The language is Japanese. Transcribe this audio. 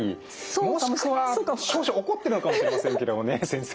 もしくは少々怒ってるのかもしれませんけどもね先生。